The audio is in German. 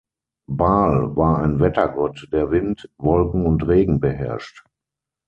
Baal war ein Wettergott, der Wind, Wolken und Regen beherrscht.